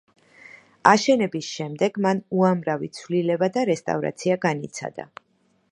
აშენების შემდეგ მან უამრავი ცვლილება და რესტავრაცია განიცადა.